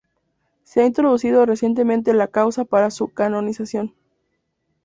Se ha introducido recientemente la causa para su canonización.